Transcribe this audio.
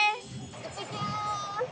いってきます！